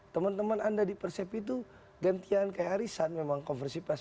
teman teman anda di persepi itu gantian kayak arisan memang konversi pers